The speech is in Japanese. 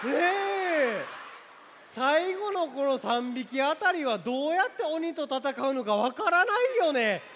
さいごのこの３びきあたりはどうやっておにとたたかうのかわからないよね。